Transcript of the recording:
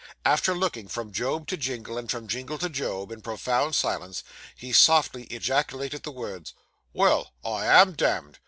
After looking from Job to Jingle, and from Jingle to Job in profound silence, he softly ejaculated the words, 'Well, I am damn'd!